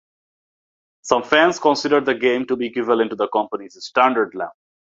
Some fans consider the game to be equivalent to the company's "Standard" level.